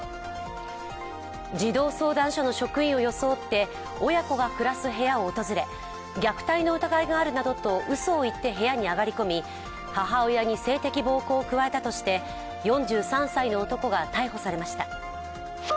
児童相談所の職員を装って親子が暮らす部屋を訪れ虐待の疑いがあるなどとうそを言って部屋に上がり込み母親に性的暴行を加えたとして４３歳の男が逮捕されました。